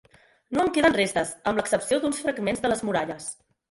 No en queden restes amb l'excepció d'uns fragments de les muralles.